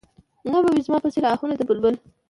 نه به وي زما په څېر اهونه د بلبل